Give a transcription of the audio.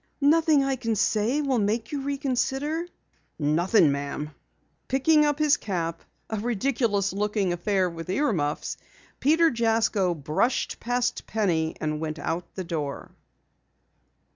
"Nothing I can say will make you reconsider?" "Nothing, Ma'am." Picking up his cap, a ridiculous looking affair with ear muffs, Peter Jasko brushed past Penny and went out the door.